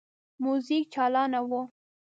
موزیک چالانه وو.